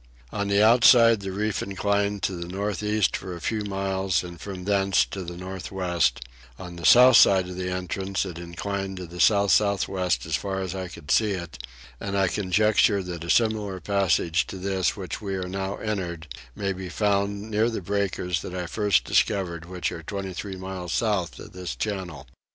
On the outside the reef inclined to the north east for a few miles, and from thence to the north west: on the south side of the entrance it inclined to the south south west as far as I could see it, and I conjecture that a similar passage to this which we now entered may be found near the breakers that I first discovered which are 23 miles south of this channel.